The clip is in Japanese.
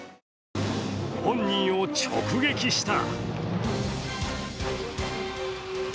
本人を直撃した。